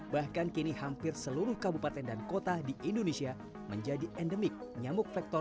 bahkan kini hampir seluruh kabupaten dan kota di indonesia menjadi endemik nyamuk